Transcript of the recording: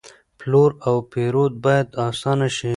پلور او پېرود باید آسانه شي.